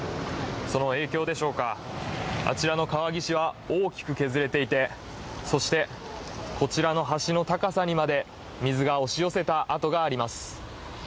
その影響でしょうか、あちらの川岸は大きく削れていて、そして、こちらの橋の高さにまで水が押し寄せた痕があります。